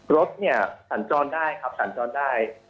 รถเนี่ยสั่นจอดได้ครับสั่นจอดได้